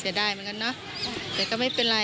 ได้เหมือนกันเนอะแต่ก็ไม่เป็นไร